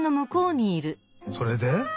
それで？